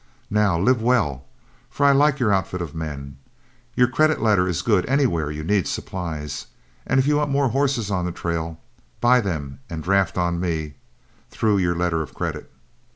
Now, live well, for I like your outfit of men. Your credit letter is good anywhere you need supplies, and if you want more horses on the trail, buy them and draft on me through your letter of credit.